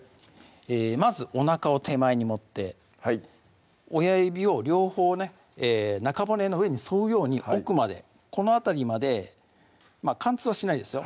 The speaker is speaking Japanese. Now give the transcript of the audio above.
まずおなかを手前に持ってはい親指を両方ね中骨の上に沿うように奥までこの辺りまで貫通はしないですよ